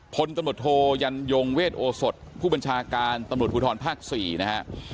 พนธนโทยันยงเวทโอสดผู้บัญชาการตำรวจพุทธรภาค๔นะครับ